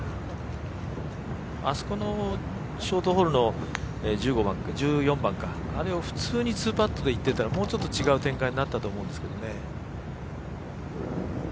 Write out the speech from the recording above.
あそこのショートホールの１４番かあれを普通に２パットでいってたらもうちょっと違う展開になったと思うんですけどね。